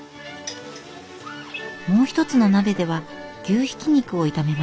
もう一つの鍋では牛ひき肉を炒めます。